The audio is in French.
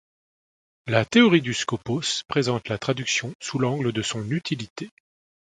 La théorie du skopos présente la traduction sous l'angle de son utilité.